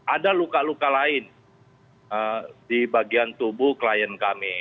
ada luka luka lain di bagian tubuh klien kami